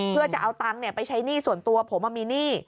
เพื่อจะเอาตังค์ไปใช้หนี้ส่วนตัวผมมีหนี้